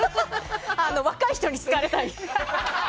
若い人に好かれたい。